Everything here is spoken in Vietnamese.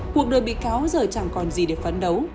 cuộc đời bị cáo giờ chẳng còn gì để phấn đấu